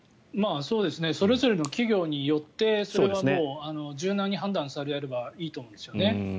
それぞれの企業によってそれは柔軟に判断されればいいと思うんですよね。